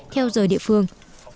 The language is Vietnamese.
theo giờ địa phương